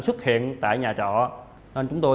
xuất hiện tại nhà trọ nên chúng tôi